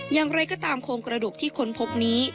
อย่างไรก็ตามโครงกระดูกที่ค้นพบนี้